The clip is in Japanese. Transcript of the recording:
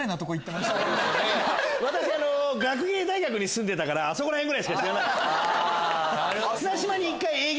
私学芸大学に住んでたからあそこら辺ぐらいしか知らない。